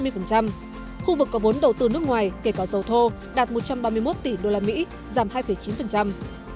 khu vực có vốn đầu tư nước ngoài kể cả dầu thô đạt một trăm ba mươi một tỷ usd giảm hai chín